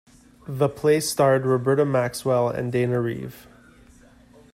The play starred Roberta Maxwell and Dana Reeve.